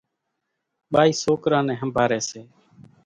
ٻائِي سوڪران نين ۿنڀاريَ سي۔